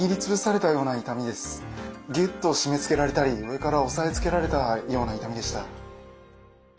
ぎゅっと締め付けられたり上から押さえつけられたような痛みでした。